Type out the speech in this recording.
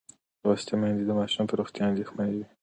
لوستې میندې د ماشوم پر روغتیا اندېښمنه وي.